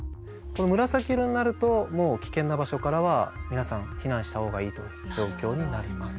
紫色になるともう危険な場所からは皆さん避難した方がいいという状況になります。